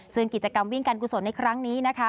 ซึ่งกิจกรรมวิ่งการกุศลในครั้งนี้นะคะ